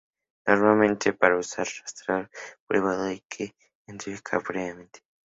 Normalmente para usar un rastreador privado hay que identificarse previamente.